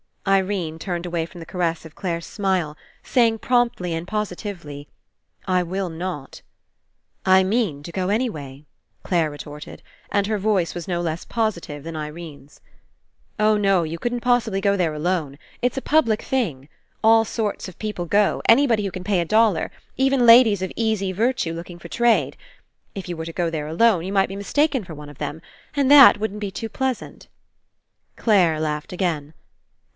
Irene turned away from the caress of Clare's smile, saying promptly and positively: "I will not." "I mean to go anyway," Clare retorted, and her voice was no less positive than Irene's. "Oh, no. You couldn't possibly go there alone. It's a public thing. All sorts of people go, anybody who can pay a dollar, even ladies of easy virtue looking for trade. If you were to go there alone, you might be mistaken for one of them, and that wouldn't be too pleas ant." 127 PASSING Clare laughed again.